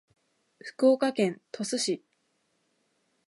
福岡県鳥栖市